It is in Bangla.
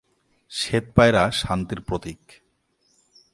শ্বেত পায়রা শান্তির প্রতীক।